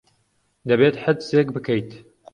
دەبێت حجزێک بکەیت.